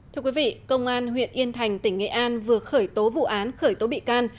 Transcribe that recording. thưa quý vị công an huyện yên thành tỉnh nghệ an vừa khởi tố vụ án khởi tố bị can